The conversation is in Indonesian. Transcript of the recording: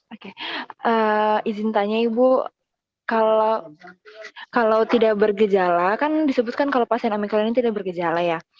oke izin tanya ibu kalau tidak bergejala kan disebutkan kalau pasien omikron ini tidak bergejala ya